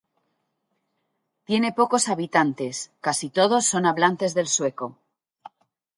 Tiene pocos habitantes, casi todos son hablantes del sueco.